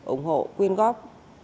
ủng hộ quyên góp